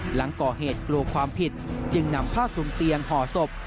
หลังก่อเหตุกลัวความผิดจึงนำผ้าคลุมเตียงห่อศพ